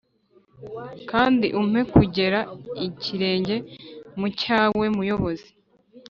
Kandi umpe kugera ikirenge nmucyawe muyobozi